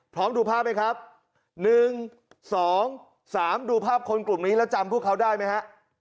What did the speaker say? ดูภาพไหมครับ๑๒๓ดูภาพคนกลุ่มนี้แล้วจำพวกเขาได้ไหมฮะ